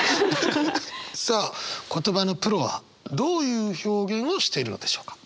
さあ言葉のプロはどういう表現をしているのでしょうか。